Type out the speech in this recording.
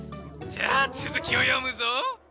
じゃあつづきをよむぞ。